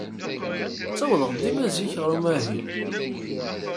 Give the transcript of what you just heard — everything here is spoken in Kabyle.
Ttawḍeɣ dima zik ɣer umahil.